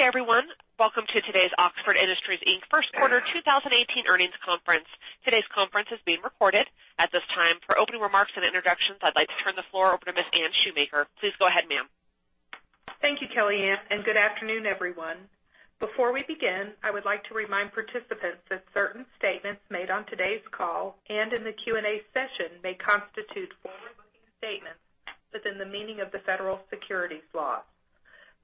Good day, everyone. Welcome to today's Oxford Industries, Inc. First Quarter 2018 Earnings Conference. Today's conference is being recorded. At this time, for opening remarks and introductions, I'd like to turn the floor over to Ms. Anne Shoemaker. Please go ahead, ma'am. Thank you, Kellyann. Good afternoon, everyone. Before we begin, I would like to remind participants that certain statements made on today's call and in the Q&A session may constitute forward-looking statements within the meaning of the federal securities laws.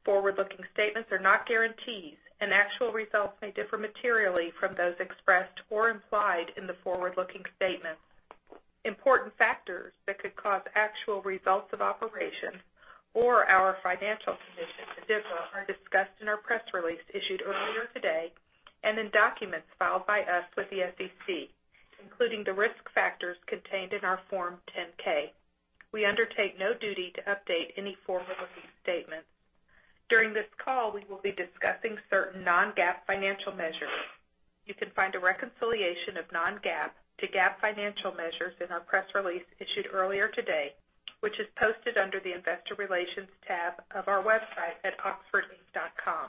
Forward-looking statements are not guarantees. Actual results may differ materially from those expressed or implied in the forward-looking statements. Important factors that could cause actual results of operations or our financial condition to differ are discussed in our press release issued earlier today and in documents filed by us with the SEC, including the risk factors contained in our Form 10-K. We undertake no duty to update any forward-looking statements. During this call, we will be discussing certain non-GAAP financial measures. You can find a reconciliation of non-GAAP to GAAP financial measures in our press release issued earlier today, which is posted under the investor relations tab of our website at oxfordinc.com.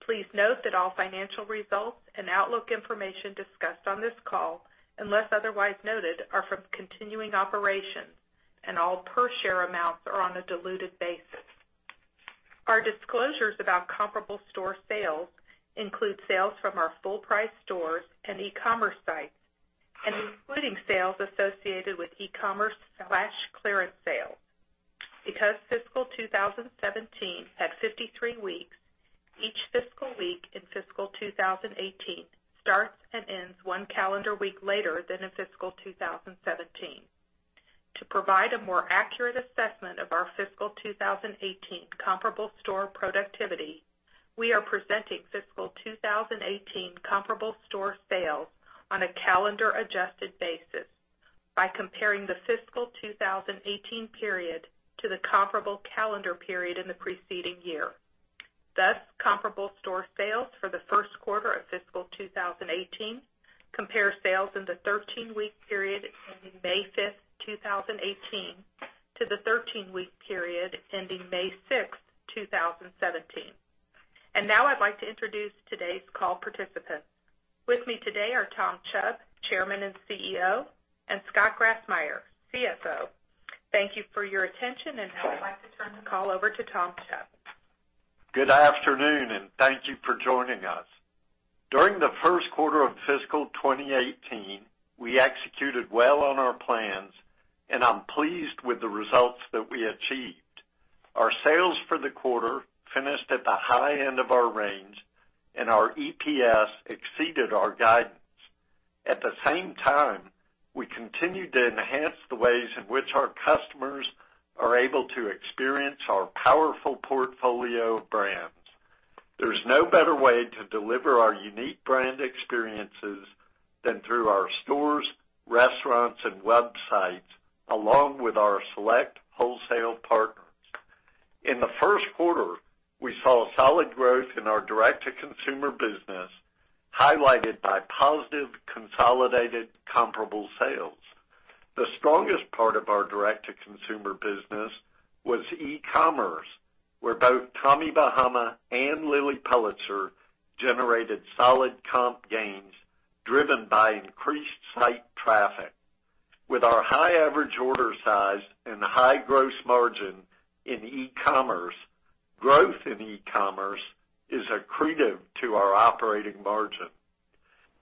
Please note that all financial results and outlook information discussed on this call, unless otherwise noted, are from continuing operations, and all per share amounts are on a diluted basis. Our disclosures about comparable store sales include sales from our full price stores and e-commerce sites and including sales associated with e-commerce/clearance sales. Because fiscal 2017 had 53 weeks, each fiscal week in fiscal 2018 starts and ends one calendar week later than in fiscal 2017. To provide a more accurate assessment of our fiscal 2018 comparable store productivity, we are presenting fiscal 2018 comparable store sales on a calendar adjusted basis by comparing the fiscal 2018 period to the comparable calendar period in the preceding year. Thus, comparable store sales for the first quarter of fiscal 2018 compare sales in the 13-week period ending May 5th, 2018, to the 13-week period ending May 6th, 2017. Now I'd like to introduce today's call participants. With me today are Tom Chubb, Chairman and CEO, and Scott Grassmyer, CFO. Thank you for your attention. Now I'd like to turn the call over to Tom Chubb. Good afternoon, and thank you for joining us. During the first quarter of fiscal 2018, we executed well on our plans, and I'm pleased with the results that we achieved. Our sales for the quarter finished at the high end of our range, and our EPS exceeded our guidance. At the same time, we continued to enhance the ways in which our customers are able to experience our powerful portfolio of brands. There's no better way to deliver our unique brand experiences than through our stores, restaurants, and websites, along with our select wholesale partners. In the first quarter, we saw solid growth in our direct-to-consumer business, highlighted by positive consolidated comparable sales. The strongest part of our direct-to-consumer business was e-commerce, where both Tommy Bahama and Lilly Pulitzer generated solid comp gains driven by increased site traffic. With our high average order size and high gross margin in e-commerce, growth in e-commerce is accretive to our operating margin.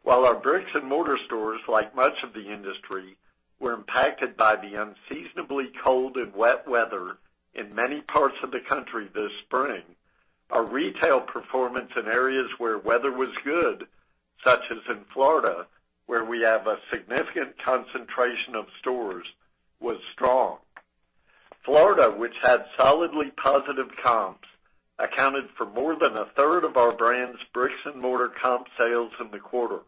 While our bricks-and-mortar stores, like much of the industry, were impacted by the unseasonably cold and wet weather in many parts of the country this spring, our retail performance in areas where weather was good, such as in Florida, where we have a significant concentration of stores, was strong. Florida, which had solidly positive comps, accounted for more than a third of our brand's bricks-and-mortar comp sales in the quarter.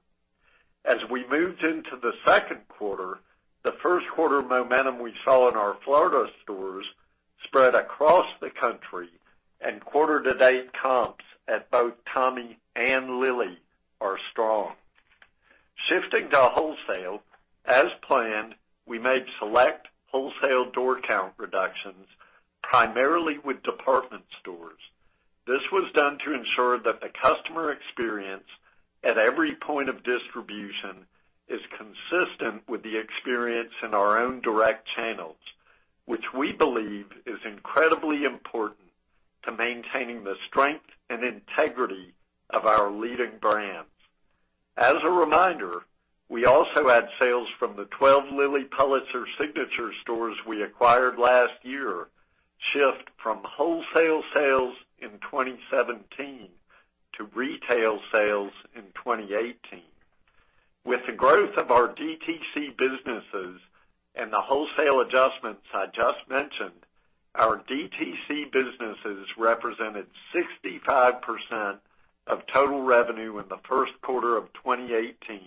As we moved into the second quarter, the first quarter momentum we saw in our Florida stores spread across the country, and quarter to date comps at both Tommy and Lilly are strong. Shifting to wholesale, as planned, we made select wholesale door count reductions primarily with department stores. This was done to ensure that the customer experience at every point of distribution is consistent with the experience in our own direct channels, which we believe is incredibly important to maintaining the strength and integrity of our leading brands. As a reminder, we also had sales from the 12 Lilly Pulitzer signature stores we acquired last year shift from wholesale sales in 2017 to retail sales in 2018. With the growth of our DTC businesses and the wholesale adjustments I just mentioned, our DTC businesses represented 65% of total revenue in the first quarter of 2018,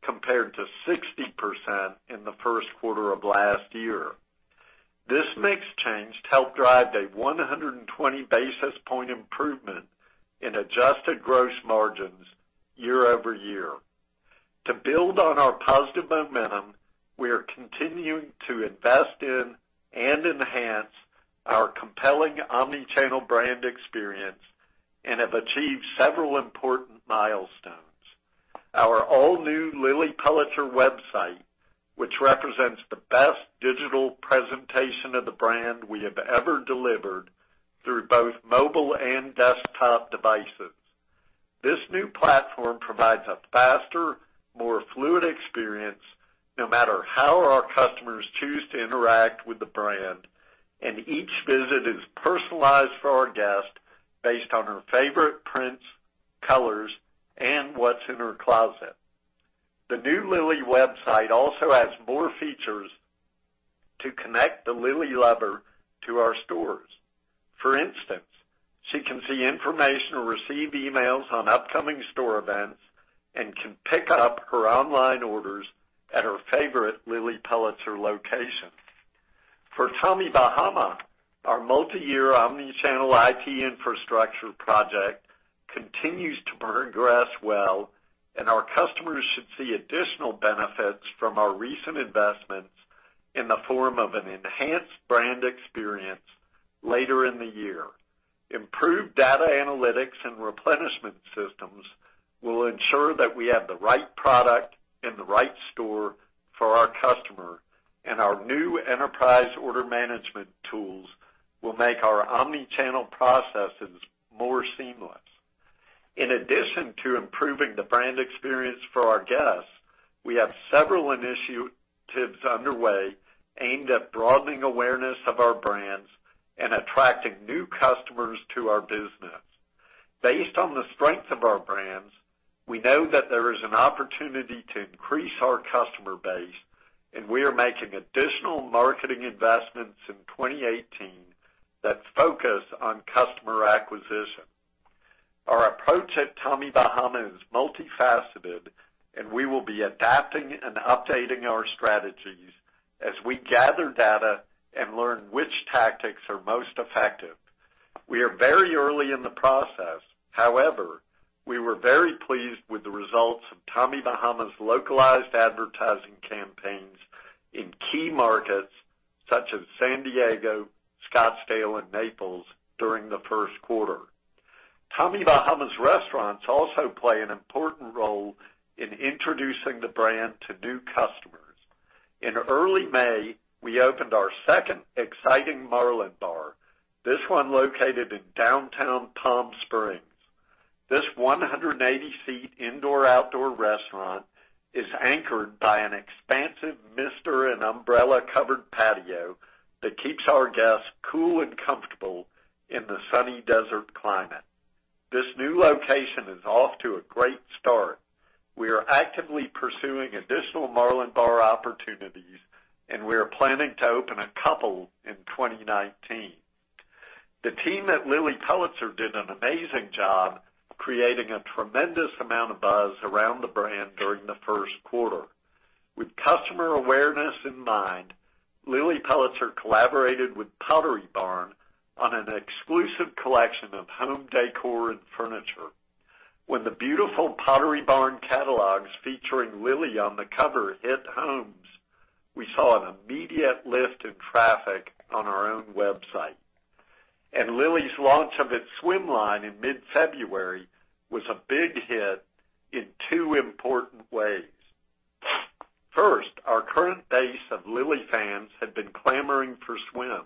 compared to 60% in the first quarter of last year. This mix change helped drive a 120 basis point improvement in adjusted gross margins year-over-year. To build on our positive momentum, we are continuing to invest in and enhance our compelling omni-channel brand experience and have achieved several important milestones. Our all-new Lilly Pulitzer website, which represents the best digital presentation of the brand we have ever delivered through both mobile and desktop devices. This new platform provides a faster, more fluid experience no matter how our customers choose to interact with the brand, and each visit is personalized for our guest based on her favorite prints, colors, and what's in her closet. The new Lilly website also adds more features to connect the Lilly lover to our stores. For instance, she can see information or receive emails on upcoming store events and can pick up her online orders at her favorite Lilly Pulitzer location. For Tommy Bahama, our multi-year omni-channel IT infrastructure project continues to progress well, and our customers should see additional benefits from our recent investments in the form of an enhanced brand experience later in the year. Improved data analytics and replenishment systems will ensure that we have the right product in the right store for our customer, our new enterprise order management tools will make our omni-channel processes more seamless. In addition to improving the brand experience for our guests, we have several initiatives underway aimed at broadening awareness of our brands and attracting new customers to our business. Based on the strength of our brands, we know that there is an opportunity to increase our customer base, we are making additional marketing investments in 2018 that focus on customer acquisition. Our approach at Tommy Bahama is multifaceted, we will be adapting and updating our strategies as we gather data and learn which tactics are most effective. We are very early in the process. We were very pleased with the results of Tommy Bahama's localized advertising campaigns in key markets such as San Diego, Scottsdale, and Naples during the first quarter. Tommy Bahama's restaurants also play an important role in introducing the brand to new customers. In early May, we opened our second exciting Marlin Bar, this one located in downtown Palm Springs. This 180-seat indoor-outdoor restaurant is anchored by an expansive mister and umbrella-covered patio that keeps our guests cool and comfortable in the sunny desert climate. This new location is off to a great start. We are actively pursuing additional Marlin Bar opportunities, we are planning to open a couple in 2019. The team at Lilly Pulitzer did an amazing job creating a tremendous amount of buzz around the brand during the first quarter. With customer awareness in mind, Lilly Pulitzer collaborated with Pottery Barn on an exclusive collection of home decor and furniture. When the beautiful Pottery Barn catalogs featuring Lilly on the cover hit homes, we saw an immediate lift in traffic on our own website. Lilly's launch of its swim line in mid-February was a big hit in two important ways. First, our current base of Lilly fans had been clamoring for swim,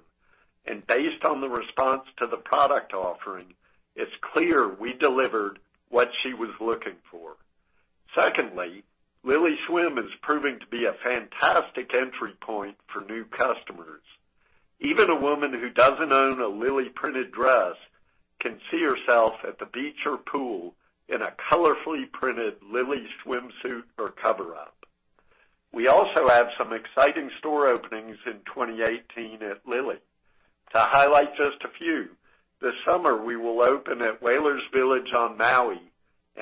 based on the response to the product offering, it's clear we delivered what she was looking for. Secondly, Lilly Swim is proving to be a fantastic entry point for new customers. Even a woman who doesn't own a Lilly printed dress can see herself at the beach or pool in a colorfully printed Lilly swimsuit or cover-up. We also have some exciting store openings in 2018 at Lilly. To highlight just a few, this summer, we will open at Whalers Village on Maui,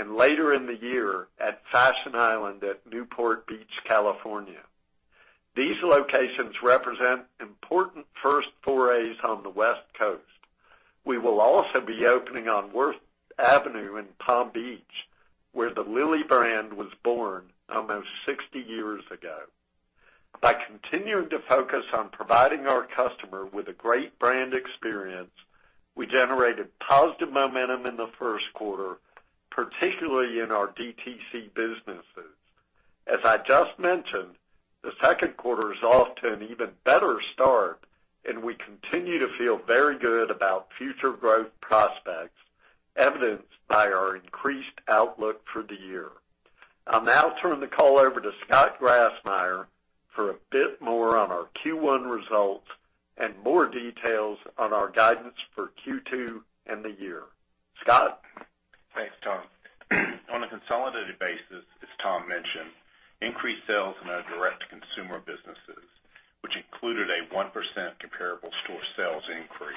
later in the year at Fashion Island at Newport Beach, California. These locations represent important first forays on the West Coast. We will also be opening on Worth Avenue in Palm Beach, where the Lilly brand was born almost 60 years ago. By continuing to focus on providing our customer with a great brand experience, we generated positive momentum in the first quarter, particularly in our DTC businesses. As I just mentioned, the second quarter is off to an even better start, we continue to feel very good about future growth prospects, evidenced by our increased outlook for the year. I'll now turn the call over to Scott Grassmyer for a bit more on our Q1 results and more details on our guidance for Q2 and the year. Scott? Thanks, Tom. On a consolidated basis, as Tom mentioned, increased sales in our direct-to-consumer businesses, which included a 1% comparable store sales increase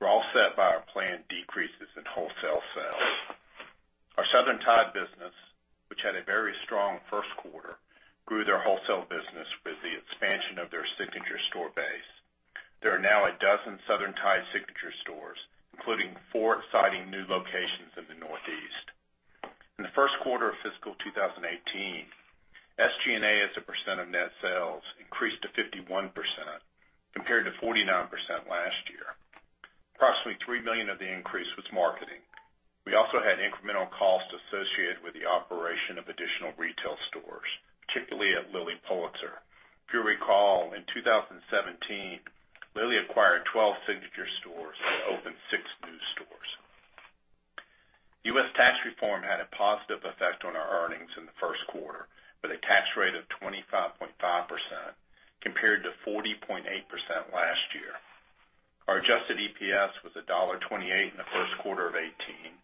were offset by our planned decreases in wholesale sales. Our Southern Tide business, which had a very strong first quarter, grew their wholesale business with the expansion of their signature store base. There are now a dozen Southern Tide signature stores, including four exciting new locations in the Northeast. In the first quarter of fiscal 2018, SG&A as a percent of net sales increased to 51%, compared to 49% last year. Approximately $3 million of the increase was marketing. We also had incremental costs associated with the operation of additional retail stores, particularly at Lilly Pulitzer. If you recall, in 2017, Lilly acquired 12 signature stores and opened six new stores. U.S. tax reform had a positive effect on our earnings in the first quarter, with a tax rate of 25.5%, compared to 40.8% last year. Our adjusted EPS was $1.28 in the first quarter of 2018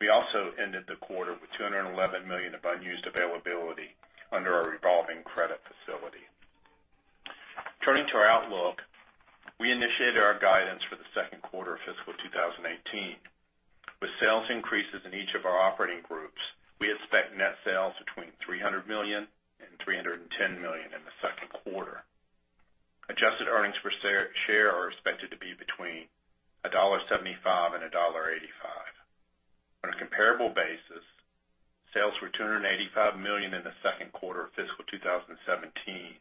We also ended the quarter with $211 million of unused availability under our revolving credit facility. Turning to our outlook, we initiated our guidance for the second quarter of fiscal 2018. With sales increases in each of our operating groups, we expect net sales between $300 million and $310 million in the second quarter. Adjusted earnings per share are expected to be between $1.75 and $1.85. On a comparable basis, sales were $285 million in the second quarter of fiscal 2017,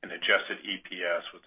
and adjusted EPS was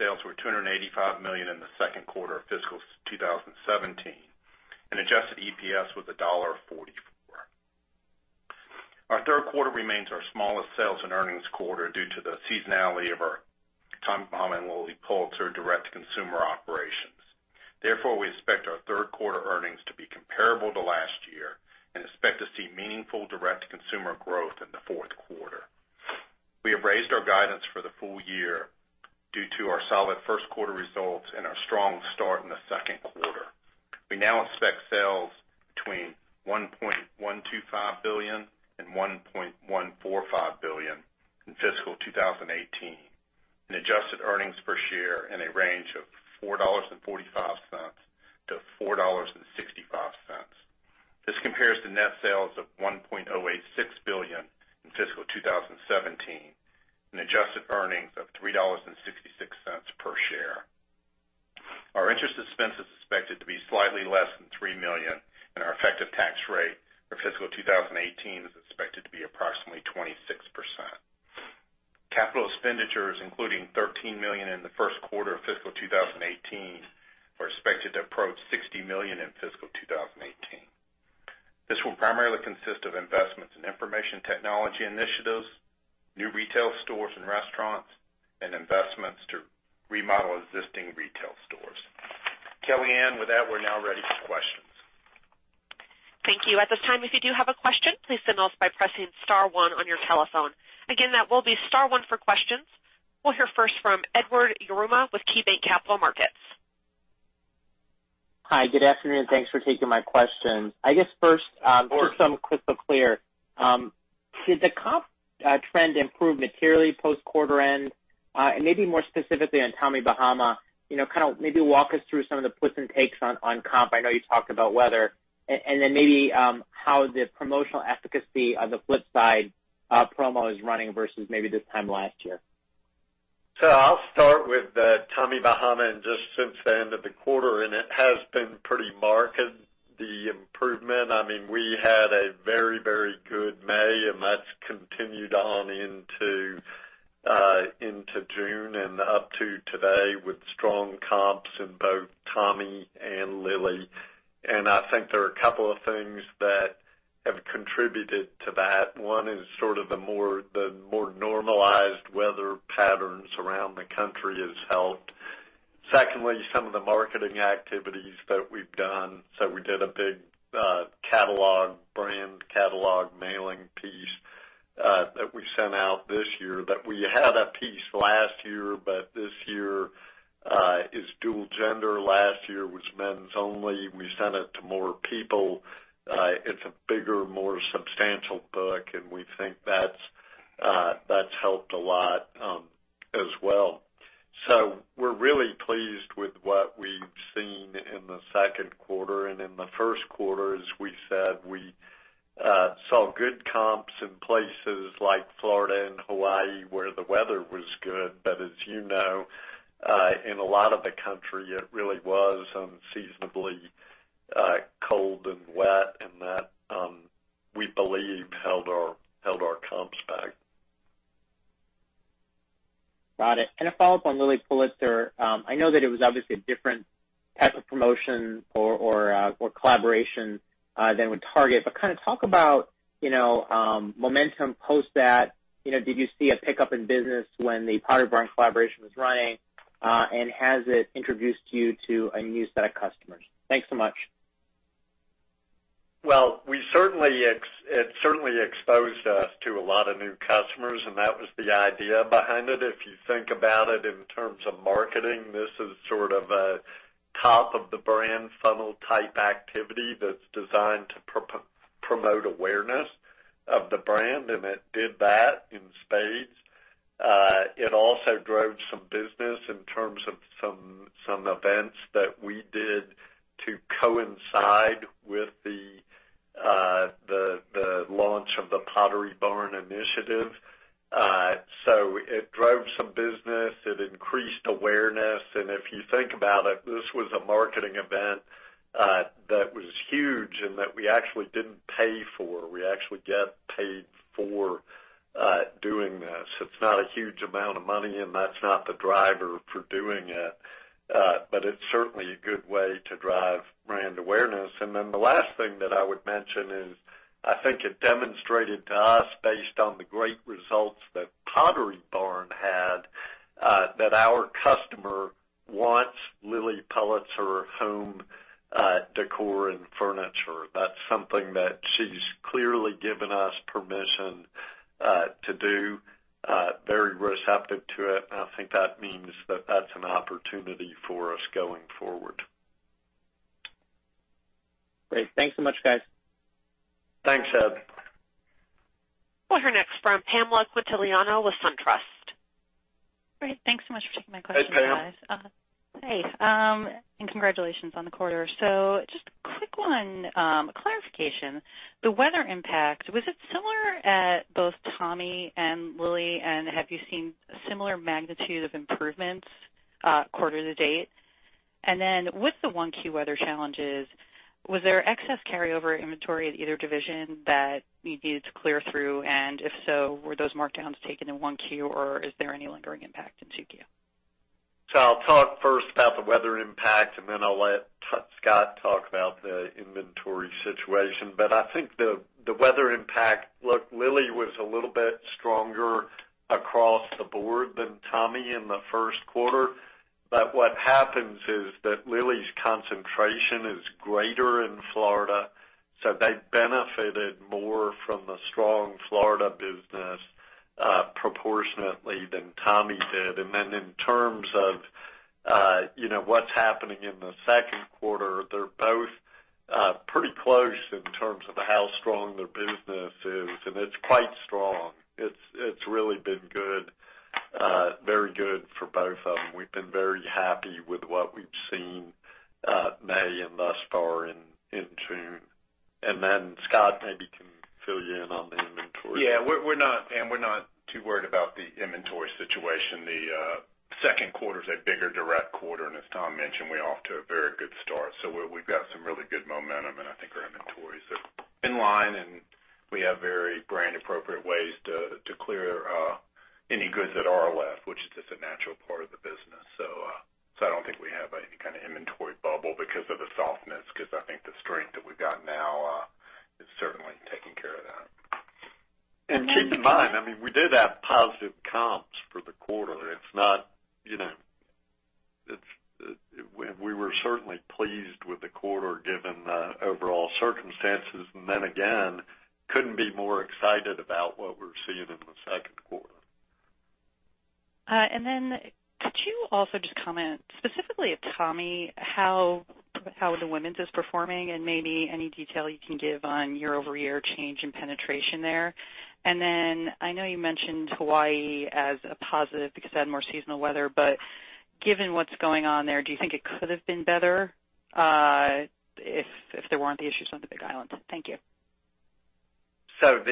Our third quarter remains our smallest sales and earnings quarter due to the seasonality of our Tommy Bahama and Lilly Pulitzer direct-to-consumer operations. We expect our third quarter earnings to be comparable to last year and expect to see meaningful direct-to-consumer growth in the fourth quarter. We have raised our guidance for the full year due to our solid first quarter results and our strong start in the second quarter. We now expect sales between $1.125 billion and $1.145 billion in fiscal 2018, and adjusted earnings per share in a range of $4.45-$4.65. This compares to net sales of $1.086 billion in fiscal 2017 and adjusted earnings of $3.66 per share. Our interest expense is expected to be slightly less than $3 million, and our effective tax rate for fiscal 2018 is expected to be approximately 26%. Capital expenditures, including $13 million in the first quarter of fiscal 2018, are expected to approach $60 million in fiscal 2018. This will primarily consist of investments in information technology initiatives, new retail stores and restaurants, and investments to remodel existing retail stores. Kellyann, with that, we're now ready for questions. Thank you. At this time, if you do have a question, please signal us by pressing *1 on your telephone. Again, that will be *1 for questions. We'll hear first from Edward Yruma with KeyBanc Capital Markets. Hi, good afternoon. Thanks for taking my questions. Sure Just so I'm crystal clear, did the comp trend improve materially post quarter end? Maybe more specifically on Tommy Bahama, maybe walk us through some of the puts and takes on comp. I know you talked about weather. Then maybe how the promotional efficacy on the flip side promo is running versus maybe this time last year. I'll start with Tommy Bahama just since the end of the quarter, and it has been pretty marked, the improvement. We had a very good May, and that's continued on into June and up to today with strong comps in both Tommy and Lilly. I think there are a couple of things that have contributed to that. One is sort of the more normalized weather patterns around the country has helped. Secondly, some of the marketing activities that we've done. We did a big brand catalog mailing piece that we sent out this year, that we had a piece last year, but this year is dual gender. Last year was men's only. We sent it to more people. It's a bigger, more substantial book, and we think that's helped a lot as well. We're really pleased with what we've seen in the second quarter. In the first quarter, as we said, we saw good comps in places like Florida and Hawaii where the weather was good. As you know, in a lot of the country, it really was unseasonably cold and wet, and that, we believe, held our comps back. Got it. A follow-up on Lilly Pulitzer. I know that it was obviously a different type of promotion or collaboration than with Target, talk about momentum post that. Did you see a pickup in business when the Pottery Barn collaboration was running? Has it introduced you to a new set of customers? Thanks so much. Well, it certainly exposed us to a lot of new customers, that was the idea behind it. If you think about it in terms of marketing, this is sort of a top-of-the-brand funnel type activity that's designed to promote awareness of the brand, it did that in spades. It also drove some business in terms of some events that we did to coincide with the launch of the Pottery Barn initiative. It drove some business, it increased awareness, if you think about it, this was a marketing event that was huge and that we actually didn't pay for. We actually get paid for doing this. It's not a huge amount of money, that's not the driver for doing it. It's certainly a good way to drive brand awareness. Then the last thing that I would mention is I think it demonstrated to us, based on the great results that Pottery Barn had, that our customer wants Lilly Pulitzer home decor and furniture. That's something that she's clearly given us permission to do. Very receptive to it, and I think that means that that's an opportunity for us going forward. Great. Thanks so much, guys. Thanks, Ed. We'll hear next from Pamela Quintiliano with SunTrust. Great. Thanks so much for taking my questions, guys. Hey, Pam. Hey, congratulations on the quarter. Just a quick one, a clarification. The weather impact, was it similar at both Tommy and Lilly, and have you seen a similar magnitude of improvements quarter to date? Then with the one key weather challenges, was there excess carry-over inventory at either division that you needed to clear through? If so, were those markdowns taken in one Q, or is there any lingering impact in 2Q? I'll talk first about the weather impact, then I'll let Scott talk about the inventory situation. I think the weather impact Look, Lilly was a little bit stronger across the board than Tommy in the first quarter. What happens is that Lilly's concentration is greater in Florida, so they benefited more from the strong Florida business proportionately than Tommy did. Then in terms of what's happening in the second quarter, they're both pretty close in terms of how strong their business is, and it's quite strong. It's really been very good for both of them. We've been very happy with what we've seen May and thus far in June. Then Scott maybe can fill you in on the inventory. Yeah. Pam, we're not too worried about the inventory situation. The second quarter is a bigger direct quarter, and as Tom mentioned, we're off to a very good start. We've got some really good momentum, and I think our inventories are. We have very brand appropriate ways to clear any goods that are left, which is just a natural part of the business. I don't think we have any kind of inventory bubble because of the softness, because I think the strength that we've got now is certainly taking care of that. Keep in mind, we did have positive comps for the quarter. We were certainly pleased with the quarter, given the overall circumstances. Again, couldn't be more excited about what we're seeing in the second quarter. Could you also just comment specifically at Tommy, how the women's is performing and maybe any detail you can give on year-over-year change in penetration there. I know you mentioned Hawaii as a positive because it had more seasonal weather, but given what's going on there, do you think it could have been better if there weren't the issues on the Big Island? Thank you. On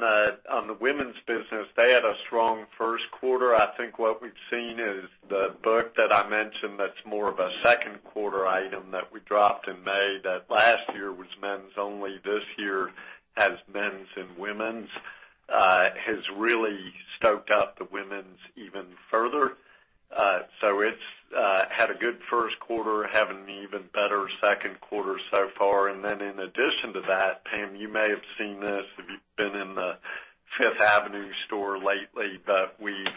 the women's business, they had a strong first quarter. I think what we've seen is the book that I mentioned, that's more of a second quarter item that we dropped in May, that last year was men's only. This year has men's and women's, has really stoked up the women's even further. It's had a good first quarter, having an even better second quarter so far. In addition to that, Pam, you may have seen this if you've been in the Fifth Avenue store lately, but we've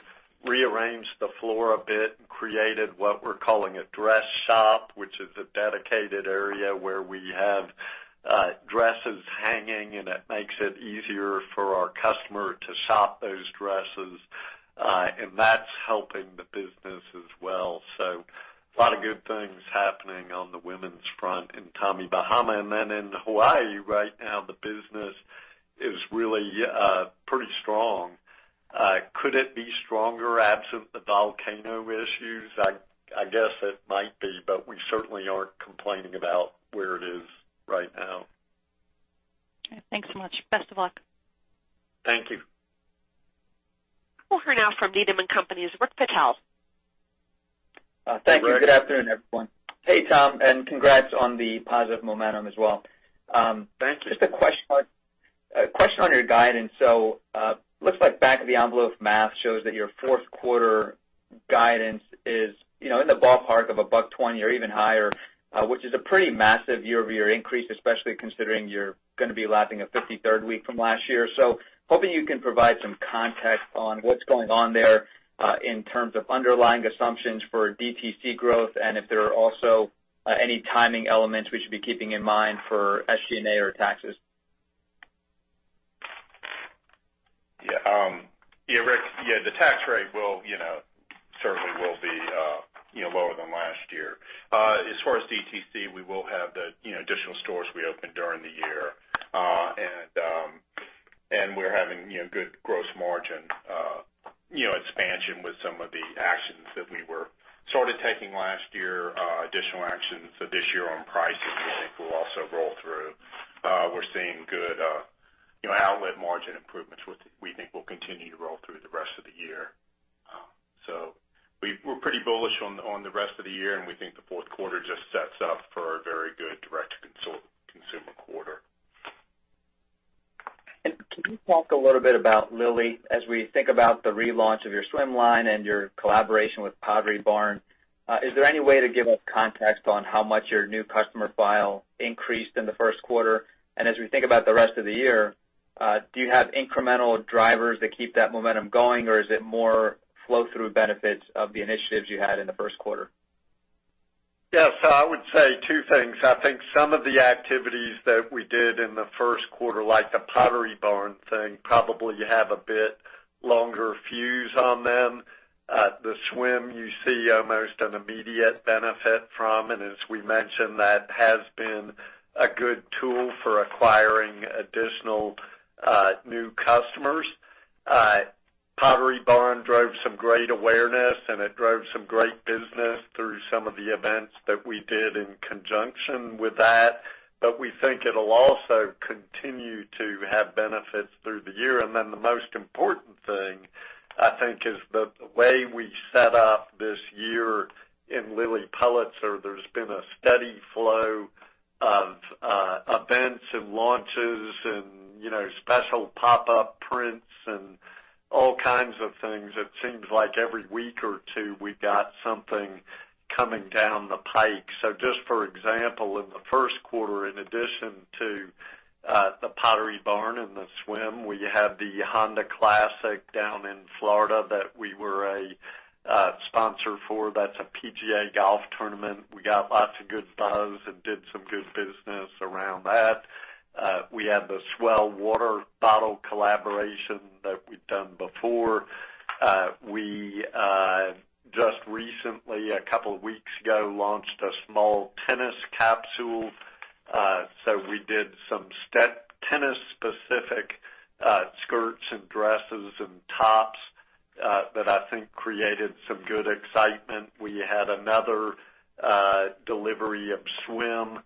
rearranged the floor a bit and created what we're calling a dress shop, which is a dedicated area where we have dresses hanging, and it makes it easier for our customer to shop those dresses. That's helping the business as well. A lot of good things happening on the women's front in Tommy Bahama. In Hawaii right now, the business is really pretty strong. Could it be stronger absent the volcano issues? I guess it might be, but we certainly aren't complaining about where it is right now. Okay, thanks so much. Best of luck. Thank you. We'll hear now from Needham & Company's Rick Patel. Rick. Thank you. Good afternoon, everyone. Hey, Tom, and congrats on the positive momentum as well. Thank you. Just a question on your guidance. Looks like back of the envelope math shows that your fourth quarter guidance is in the ballpark of $1.20 or even higher, which is a pretty massive year-over-year increase, especially considering you're going to be lapping a 53rd week from last year. Hoping you can provide some context on what's going on there in terms of underlying assumptions for DTC growth and if there are also any timing elements we should be keeping in mind for SG&A or taxes. Yeah. Rick, the tax rate certainly will be lower than last year. As far as DTC, we will have the additional stores we open during the year. We're having good gross margin expansion with some of the actions that we were sort of taking last year, additional actions this year on pricing we think will also roll through. We're seeing good outlet margin improvements, which we think will continue to roll through the rest of the year. We're pretty bullish on the rest of the year, and we think the fourth quarter just sets up for a very good direct-to-consumer quarter. Can you talk a little bit about Lilly as we think about the relaunch of your swim line and your collaboration with Pottery Barn? Is there any way to give us context on how much your new customer file increased in the first quarter? As we think about the rest of the year, do you have incremental drivers that keep that momentum going, or is it more flow-through benefits of the initiatives you had in the first quarter? Yes. I would say two things. I think some of the activities that we did in the first quarter, like the Pottery Barn thing, probably have a bit longer fuse on them. The swim you see almost an immediate benefit from, and as we mentioned, that has been a good tool for acquiring additional new customers. Pottery Barn drove some great awareness, and it drove some great business through some of the events that we did in conjunction with that. We think it'll also continue to have benefits through the year. The most important thing, I think, is the way we set up this year in Lilly Pulitzer, there's been a steady flow of events and launches and special pop-up prints and all kinds of things. It seems like every week or two, we've got something coming down the pike. Just for example, in the first quarter, in addition to the Pottery Barn and the swim, we had the Honda Classic down in Florida that we were a sponsor for. That's a PGA golf tournament. We got lots of good buzz and did some good business around that. We had the S'well water bottle collaboration that we've done before. We just recently, a couple of weeks ago, launched a small tennis capsule. We did some tennis specific skirts and dresses and tops that I think created some good excitement. We had another delivery of swim.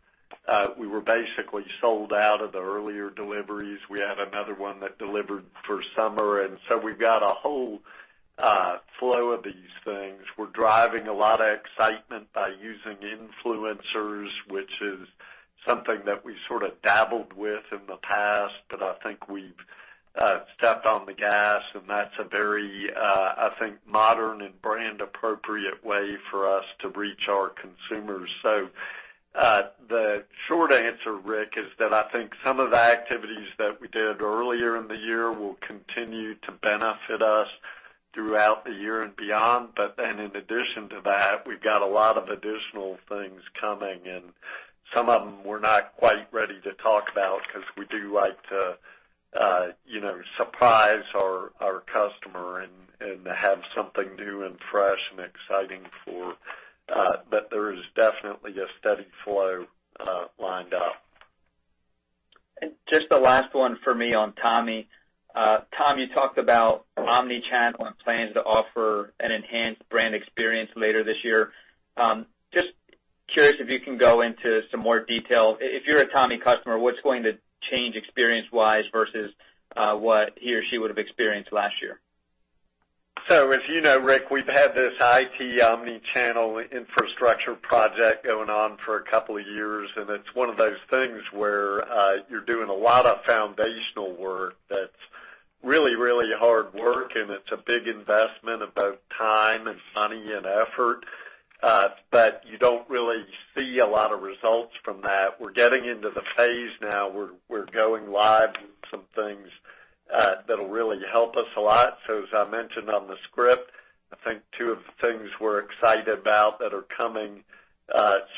We were basically sold out of the earlier deliveries. We had another one that delivered for summer. We've got a whole flow of these things. We're driving a lot of excitement by using influencers, which is something that we sort of dabbled with in the past, but I think we've stepped on the gas, and that's a very, I think, modern and brand-appropriate way for us to reach our consumers. The short answer, Rick, is that I think some of the activities that we did earlier in the year will continue to benefit us throughout the year and beyond. In addition to that, we've got a lot of additional things coming, and some of them we're not quite ready to talk about because we do like to surprise our customer and have something new and fresh, and exciting. There is definitely a steady flow lined up. Just the last one for me on Tommy. Tom, you talked about omni-channel and plans to offer an enhanced brand experience later this year. Just curious if you can go into some more detail. If you're a Tommy customer, what's going to change experience-wise versus what he or she would've experienced last year? If you know, Rick, we've had this IT omni-channel infrastructure project going on for a couple of years, and it's one of those things where you're doing a lot of foundational work that's really, really hard work, and it's a big investment of both time and money and effort. You don't really see a lot of results from that. We're getting into the phase now. We're going live with some things that'll really help us a lot. As I mentioned on the script, I think two of the things we're excited about that are coming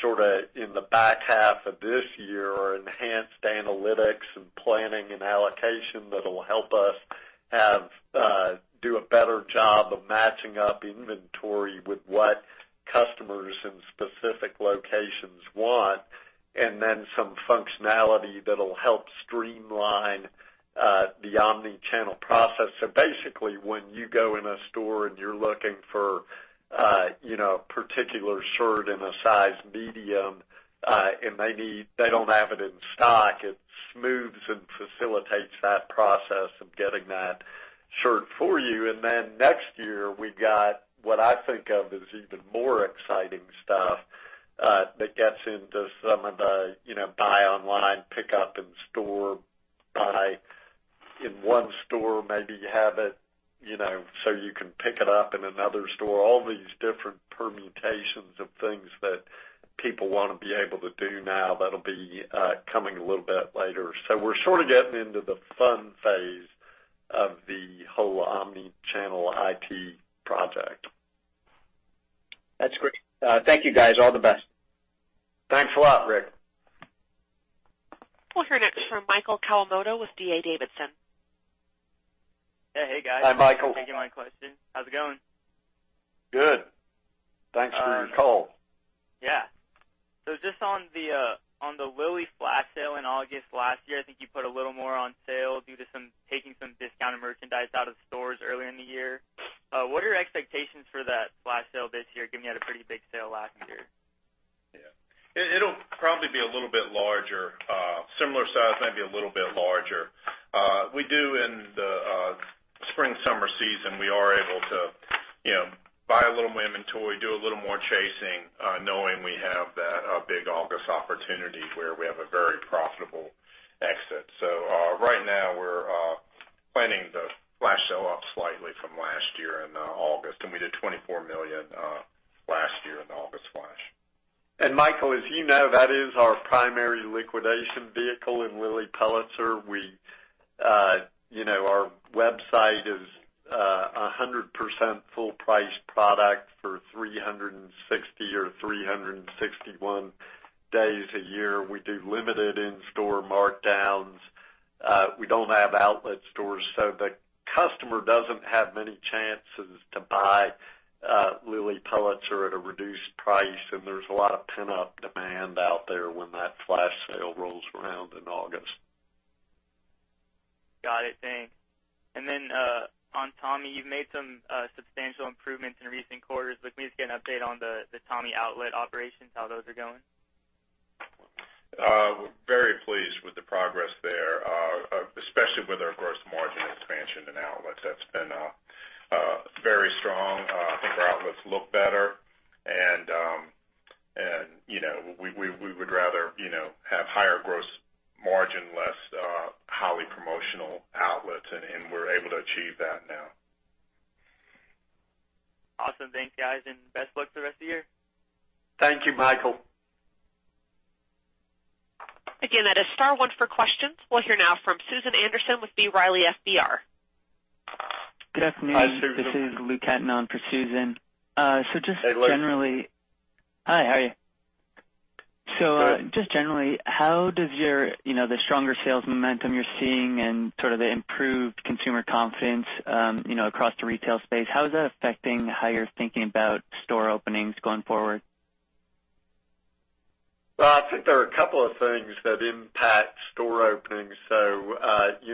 sort of in the back half of this year are enhanced analytics and planning and allocation that'll help us do a better job of matching up inventory with what customers in specific locations want, and then some functionality that'll help streamline the omni-channel process. Basically, when you go in a store and you're looking for a particular shirt in a size medium, and they don't have it in stock, it smooths and facilitates that process of getting that shirt for you. Next year, we got what I think of as even more exciting stuff that gets into some of the buy online, pick up in store, buy in one store, maybe you have it, so you can pick it up in another store. All these different permutations of things that people want to be able to do now, that'll be coming a little bit later. We're sort of getting into the fun phase of the whole omni-channel IT project. That's great. Thank you guys. All the best. Thanks a lot, Rick. We'll hear next from Michael Kawamoto with D.A. Davidson. Hey, guys. Hi, Michael. Thank you for my question. How's it going? Good. Thanks for your call. Yeah. Just on the Lilly flash sale in August last year, I think you put a little more on sale due to taking some discounted merchandise out of stores earlier in the year. What are your expectations for that flash sale this year, given you had a pretty big sale last year? Yeah. It'll probably be a little bit larger. Similar size, maybe a little bit larger. We do in the spring, summer season, we are able to buy a little more inventory, do a little more chasing, knowing we have that big August opportunity where we have a very profitable exit. Right now we're planning the flash sale up slightly from last year in August, and we did $24 million last year in the August flash. Michael, as you know, that is our primary liquidation vehicle in Lilly Pulitzer. Our website is 100% full-priced product for 360 or 361 days a year. We do limited in-store markdowns. We don't have outlet stores, so the customer doesn't have many chances to buy Lilly Pulitzer at a reduced price, and there's a lot of pent-up demand out there when that flash sale rolls around in August. Got it. Thanks. On Tommy, you've made some substantial improvements in recent quarters. Can we just get an update on the Tommy outlet operations, how those are going? We're very pleased with the progress there, especially with our gross margin expansion in outlets. That's been very strong. I think our outlets look better, and we would rather have higher gross margin, less highly promotional outlets, and we're able to achieve that now. Awesome. Thanks, guys, and best of luck for the rest of the year. Thank you, Michael. Again, that is star one for questions. We'll hear now from Susan Anderson with B. Riley FBR. Good afternoon. Hi, Susan. This is Luke Hatton for Susan. Hey, Luke. Hi, how are you? Good. Just generally, how does the stronger sales momentum you're seeing and sort of the improved consumer confidence across the retail space, how is that affecting how you're thinking about store openings going forward? I think there are a couple of things that impact store openings.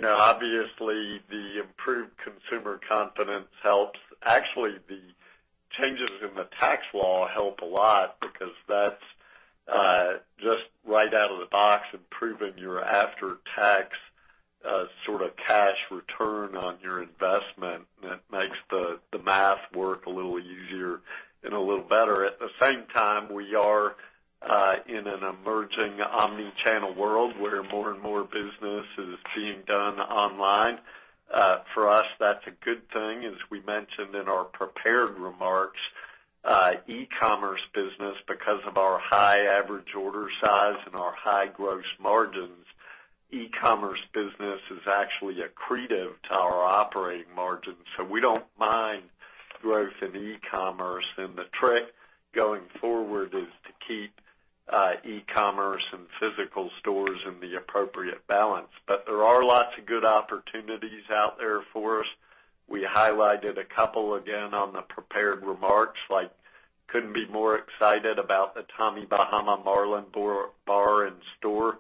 Obviously the improved consumer confidence helps. Actually, the changes in the tax law help a lot because that's just right out of the box, improving your after-tax cash return on your investment. It makes the math work a little easier and a little better. At the same time, we are in an emerging omni-channel world where more and more business is being done online. For us, that's a good thing. As we mentioned in our prepared remarks, e-commerce business, because of our high average order size and our high gross margins, e-commerce business is actually accretive to our operating margins. We don't mind growth in e-commerce. The trick going forward is to keep e-commerce and physical stores in the appropriate balance. There are lots of good opportunities out there for us. We highlighted a couple again on the prepared remarks, couldn't be more excited about the Tommy Bahama Marlin Bar and Store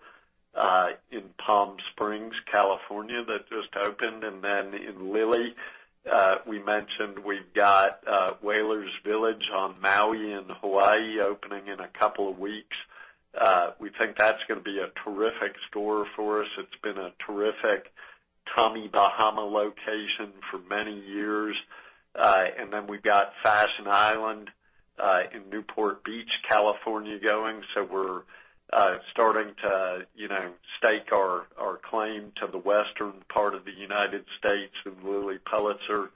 in Palm Springs, California, that just opened. In Lilly, we mentioned we've got Whalers Village on Maui in Hawaii opening in a couple of weeks. We think that's going to be a terrific store for us. It's been a terrific Tommy Bahama location for many years. We've got Fashion Island in Newport Beach, California going, we're starting to stake our claim to the western part of the United States with Lilly Pulitzer.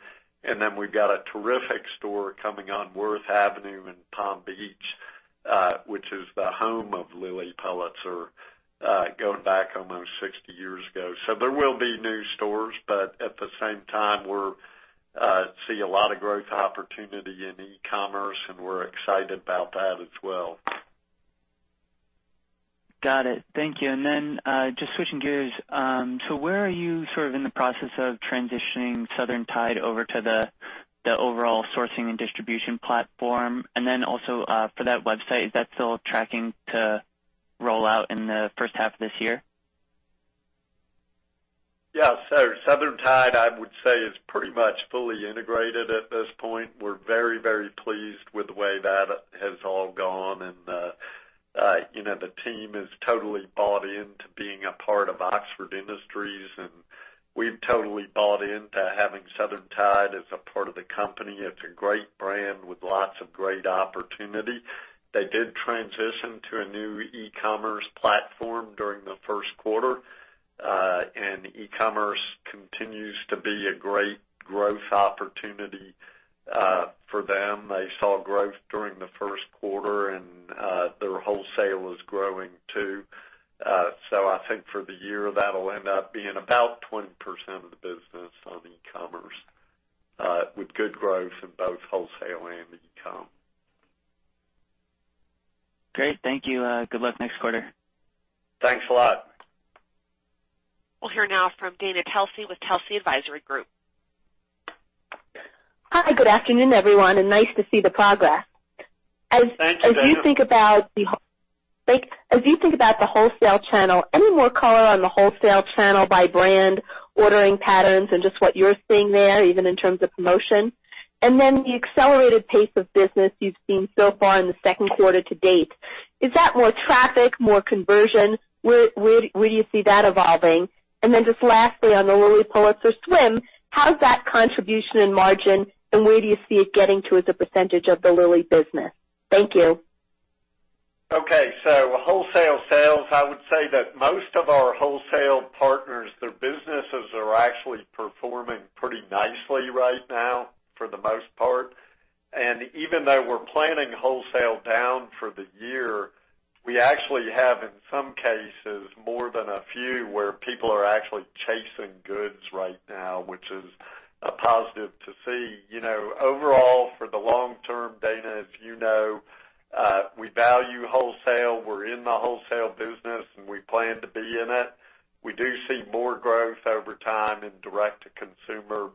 We've got a terrific store coming on Worth Avenue in Palm Beach, which is the home of Lilly Pulitzer, going back almost 60 years ago. There will be new stores, but at the same time, we see a lot of growth opportunity in e-commerce, and we're excited about that as well. Got it. Thank you. Just switching gears, where are you in the process of transitioning Southern Tide over to the overall sourcing and distribution platform? Also for that website, is that still tracking to roll out in the first half of this year? Southern Tide, I would say, is pretty much fully integrated at this point. We're very pleased with the way that has all gone. The team has totally bought into being a part of Oxford Industries, and we've totally bought into having Southern Tide as a part of the company. It's a great brand with lots of great opportunity. They did transition to a new e-commerce platform during the first quarter. E-commerce continues to be a great growth opportunity for them. They saw growth during the first quarter, and their wholesale is growing too. I think for the year, that'll end up being about 20% of the business on e-commerce, with good growth in both wholesale and e-com. Great. Thank you. Good luck next quarter. Thanks a lot. We'll hear now from Dana Telsey with Telsey Advisory Group. Hi. Good afternoon, everyone, nice to see the progress. Thank you, Dana. As you think about the wholesale channel, any more color on the wholesale channel by brand, ordering patterns and just what you're seeing there, even in terms of promotion? The accelerated pace of business you've seen so far in the second quarter to date, is that more traffic, more conversion? Where do you see that evolving? Just lastly, on the Lilly Pulitzer Swim, how's that contribution in margin, and where do you see it getting to as a percentage of the Lilly business? Thank you. Wholesale sales, I would say that most of our wholesale partners, their businesses are actually performing pretty nicely right now for the most part. Even though we're planning wholesale down for the year, we actually have, in some cases, more than a few where people are actually chasing goods right now, which is a positive to see. Overall, for the long term, Dana, as you know, we value wholesale. We're in the wholesale business, and we plan to be in it. We do see more growth over time in direct-to-consumer,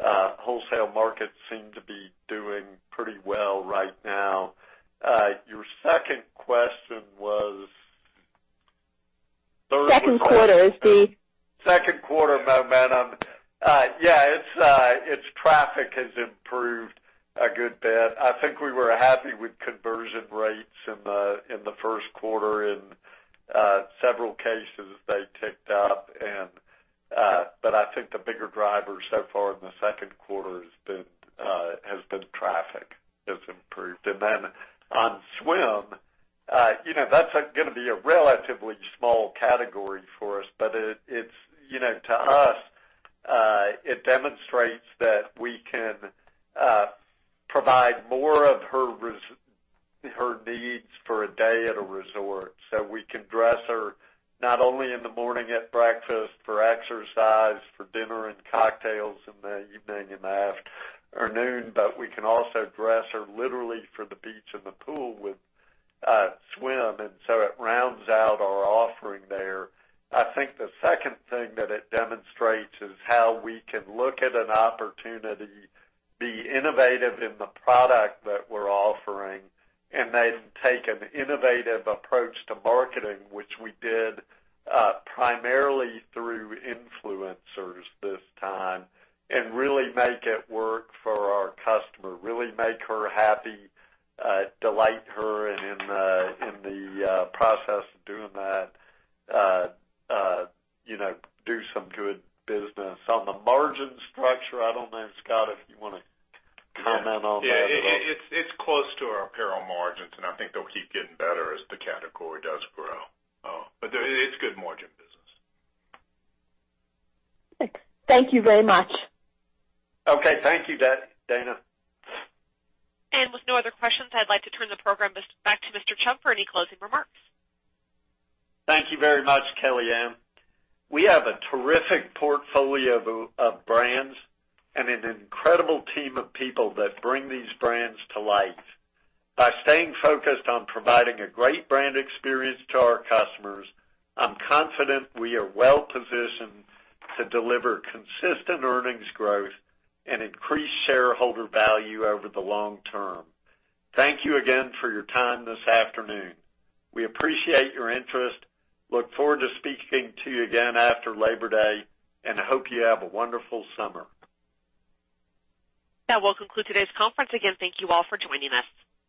wholesale markets seem to be doing pretty well right now. Your second question was? Second quarter is the. Second quarter momentum. Yeah, its traffic has improved a good bit. I think we were happy with conversion rates in the first quarter. In several cases, they ticked up. I think the bigger driver so far in the second quarter has been traffic has improved. On Swim, that's going to be a relatively small category for us, but to us, it demonstrates that we can provide more of her needs for a day at a resort. We can dress her not only in the morning at breakfast, for exercise, for dinner and cocktails in the evening and noon, but we can also dress her literally for the beach and the pool with Swim. It rounds out our offering there. I think the second thing that it demonstrates is how we can look at an opportunity, be innovative in the product that we're offering, and then take an innovative approach to marketing, which we did primarily through influencers this time, and really make it work for our customer, really make her happy, delight her, and in the process of doing that do some good business. On the margin structure, I don't know, Scott, if you want to comment on that at all. Yeah. It's close to our apparel margins, and I think they'll keep getting better as the category does grow. It's good margin business. Thanks. Thank you very much. Okay. Thank you, Dana. With no other questions, I'd like to turn the program back to Mr. Chubb for any closing remarks. Thank you very much, Kellyann. We have a terrific portfolio of brands and an incredible team of people that bring these brands to life. By staying focused on providing a great brand experience to our customers, I'm confident we are well-positioned to deliver consistent earnings growth and increase shareholder value over the long term. Thank you again for your time this afternoon. We appreciate your interest. Look forward to speaking to you again after Labor Day, and I hope you have a wonderful summer. That will conclude today's conference. Again, thank you all for joining us.